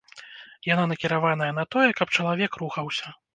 Яна накіраваная на тое, каб чалавек рухаўся.